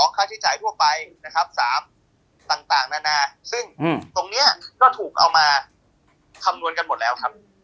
ค่าใช้จ่ายทั่วไปนะครับ๓ต่างนานาซึ่งตรงนี้ก็ถูกเอามาคำนวณกันหมดแล้วครับ